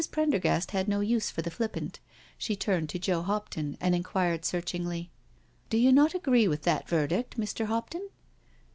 Prendergast had no use for the flippant. She turned to Joe Hopton and inquired searchingly: " Do you not agree with that verdict, Mr. Hopton?"